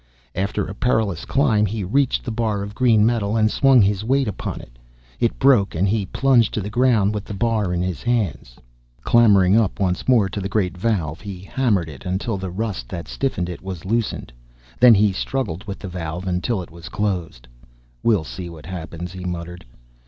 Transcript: After a perilous climb, he reached the bar of green metal and swung his weight upon it. It broke, and he plunged to the ground with the bar in his hands. Clambering up once more to the great valve, he hammered it until the rust that stiffened it was loosened. Then he struggled with the valve until it was closed. "We'll see what happens!" he muttered.